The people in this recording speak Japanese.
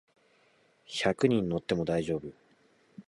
百人乗っても大丈夫